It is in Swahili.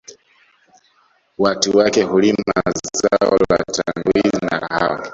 Watu wake hulima zao la tangawizi na kahawa